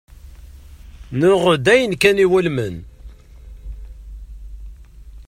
Nuɣ-d ayen kan iwulmen.